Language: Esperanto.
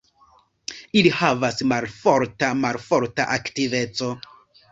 Ili havas malforta malforta aktiveco.